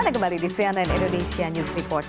anda kembali di cnn indonesia news report